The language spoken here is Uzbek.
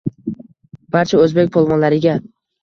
Barcha o‘zbek polvonlariga